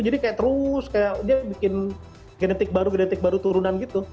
jadi kayak terus kayak dia bikin genetik baru genetik baru turunan gitu